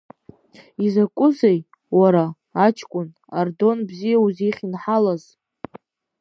Изакәызеи, уара, аҷкәын, Ардон бзиа узихьынҳалаз?